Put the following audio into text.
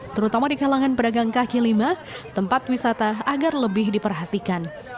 terutama di kalangan pedagang kaki lima tempat wisata agar lebih diperhatikan